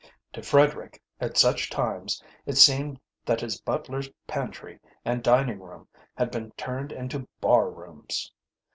To Frederick, at such times, it seemed that his butler's pantry and dining room had been turned into bar rooms.